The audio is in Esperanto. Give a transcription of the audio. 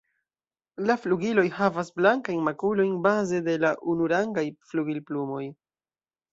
La flugiloj havas blankajn makulojn baze de la unuarangaj flugilplumoj.